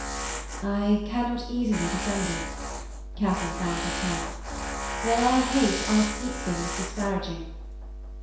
'I cannot easily dissemble.' Katharine found her tongue. 'Where I hate I speak things disparaging.'